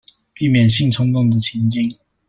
避免性衝動的情境